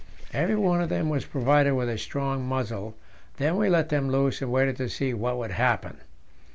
Every one of them was provided with a strong muzzle; then we let them loose and waited to see what would happen.